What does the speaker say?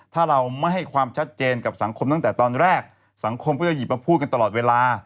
ถ้าเราไม่ให้ความชัดเจนกับสังคมตั้งแต่ตอนแรกสังคมก็จะหยิบมาพูดกันตลอดเวลา